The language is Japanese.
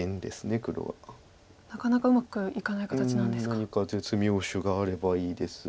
何か絶妙手があればいいですが。